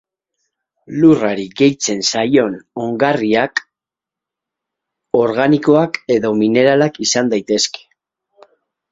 Lurrari gehitzen zaion ongarriak organikoak edo mineralak izan daitezke.